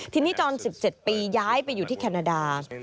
ทีนี้ตอน๑๗ปีย้ายไปอยู่ที่แคนาดา